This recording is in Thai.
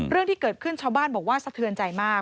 เรื่องที่เกิดขึ้นชาวบ้านบอกว่าสะเทือนใจมาก